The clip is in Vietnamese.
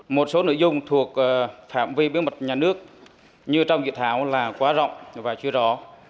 một số nội dung thuộc phạm vi bí mật nhà nước như trong dự thảo là quá rộng và chưa rõ